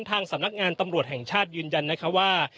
ทางสำนักงานตำรวจแห่งชาติยืนยันนะคะว่า